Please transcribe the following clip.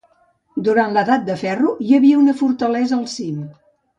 Durant l'Edat del ferro hi havia una fortalesa al cim.